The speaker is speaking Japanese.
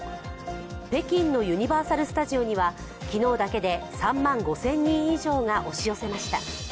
北京のユニバーサル・スタジオには昨日だけで３万５０００人以上が押し寄せました。